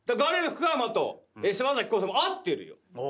福山と柴咲コウさんも合ってるよ。